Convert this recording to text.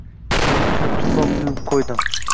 Keyingi kuni tuproq uyub qo‘ydim.